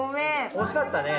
惜しかったねえ。